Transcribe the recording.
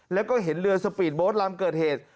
แล้วก็เห็นเรือสปีดโบสต์ลำเกิดเหตุ